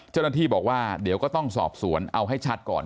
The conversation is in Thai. เจ้าหน้าที่บอกว่าเดี๋ยวก็ต้องสอบสวนเอาให้ชัดก่อน